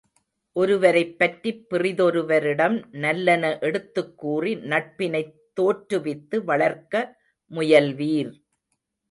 ஒருவரைப் பற்றிப் பிறிதொருவரிடம் நல்லன எடுத்துக்கூறி நட்பினைத் தோற்றுவித்து வளர்க்க முயல்வீர்!